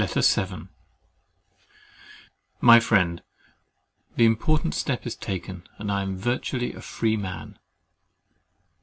LETTER VII My dear Friend, The important step is taken, and I am virtually a free man.